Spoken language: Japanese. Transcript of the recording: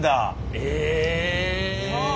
え。